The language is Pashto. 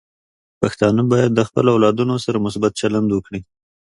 پښتانه بايد د خپلو اولادونو سره مثبت چلند وکړي.